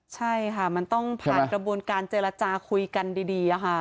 ใช่ค่ะมันต้องผ่านกระบวนการเจรจาคุยกันดีค่ะ